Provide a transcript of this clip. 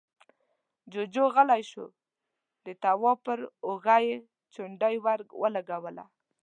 جُوجُو غلی شو، د تواب پر اوږه يې چونډۍ ور ولګوله: